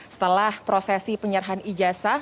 setelah prosesi penyerahan ijasah